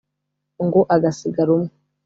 ngo agasiga rumwe